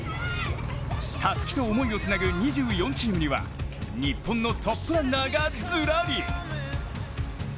たすきと思いをつなぐ２４チームには日本のトップランナーがずらり。